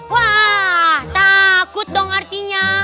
wah takut dong artinya